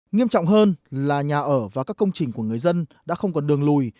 nghiêm trọng hơn là nhà ở và các công trình của người dân đã không còn đường lùi